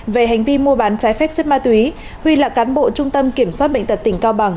về hành vi mua bán trái phép chất ma túy huy là cán bộ trung tâm kiểm soát bệnh tật tỉnh cao bằng